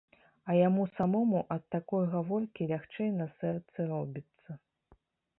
А яму самому ад такой гаворкі лягчэй на сэрцы робіцца.